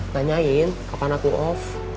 tanyain kapan aku off